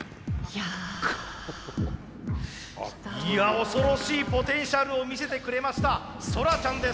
いや恐ろしいポテンシャルを見せてくれましたソラちゃんです。